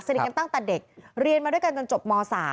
กันตั้งแต่เด็กเรียนมาด้วยกันจนจบม๓